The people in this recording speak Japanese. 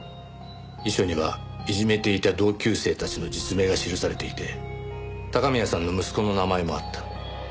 遺書にはいじめていた同級生たちの実名が記されていて高宮さんの息子の名前もあった。